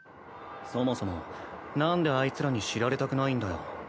そもそもなんであいつらに知られたくないんだよ？